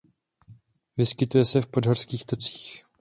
Vyskytuje se v podhorských tocích.